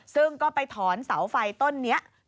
ซึ่งก็ไปถอนสาวไฟต้นนี้ที่มันเคยอยู่